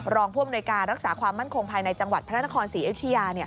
รองผู้อำนวยการรักษาความมั่นคงภายในจังหวัดพระนครศรีอยุธยา